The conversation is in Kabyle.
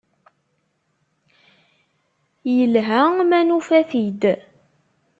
Yelha ma nufa-t-id.